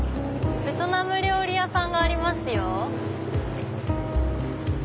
ベトナム料理屋さんがありますよ。